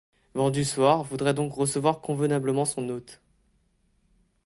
Vent-du-Soir voudrait donc recevoir convenablement son hôte.